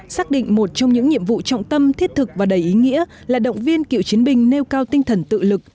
xác định một trong những nhiệm vụ trọng tâm thiết thực và đầy ý nghĩa là động viên cựu chiến binh nêu cao tinh thần tự lực